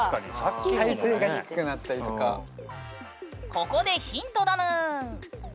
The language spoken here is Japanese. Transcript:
ここでヒントだぬん。